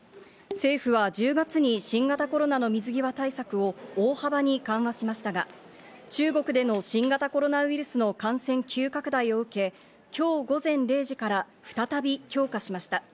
政府は１０月に新型コロナの水際対策を大幅に緩和しましたが、中国での新型コロナウイルスの感染急拡大を受け、今日午前０時から再び強化しました。